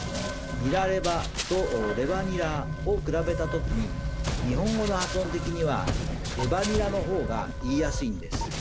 「ニラレバ」と「レバニラ」を比べた時に日本語の発音的には「レバニラ」の方が言いやすいんです。